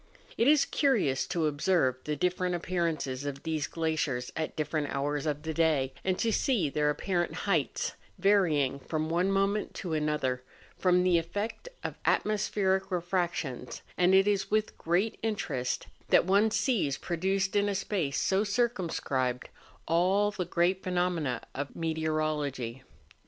It is curious to observe the different appearances of these glaciers at different hours of the day; and to see their apparent heights, varying from one moment to another, from the effect of atmospheric refractions; and it is with great interest that one sees produced in a space so circum¬ scribed all the great phenomena of meteorology.